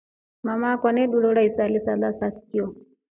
Mama kwaa neturora isila sala za kio.